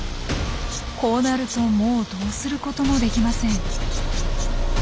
こうなるともうどうすることもできません。